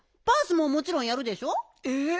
バースももちろんやるでしょ？え？